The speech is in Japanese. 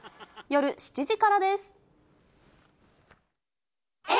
夜７時からです。